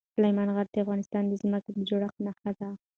سلیمان غر د افغانستان د ځمکې د جوړښت نښه ده.